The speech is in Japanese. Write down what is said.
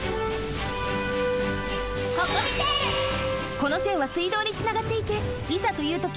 このせんはすいどうにつながっていていざというとき